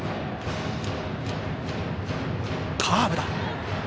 カーブだ。